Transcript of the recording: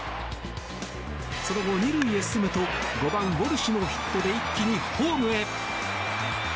その後、２塁へ進むと５番、ウォルシュのヒットで一気にホームへ。